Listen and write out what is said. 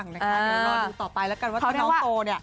เดี๋ยวรอดูต่อไปแล้วกันว่าคุณน้องโตเนี่ย